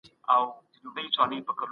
پانګه والو ته د نورو زیان پروا نه لري.